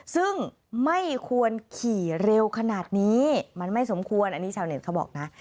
ซึ่งไม่ควรขี่เร็วขนาดนี้มันไม่สมควรอันนี้ชาวเน็ตเขาบอกนะ